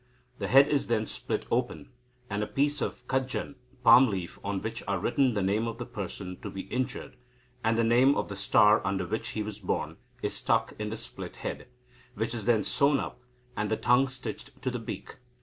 The head is then split open, and a piece of cadjan (palm leaf), on which are written the name of the person to be injured, and the name of the star under which he was born, is stuck in the split head, which is then sewn up and the tongue stitched to the beak.